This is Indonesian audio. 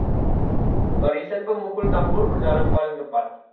barisan pemukul tambur berjalan paling depan